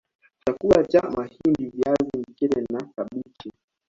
Chakula cha mahindi viazi mchele na kabichi